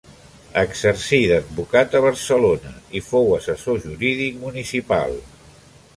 Exercí d’advocat a Barcelona i fou assessor jurídic municipal.